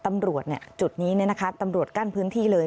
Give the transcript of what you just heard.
ตำรวจจุดนี้ตำรวจกั้นพื้นที่เลย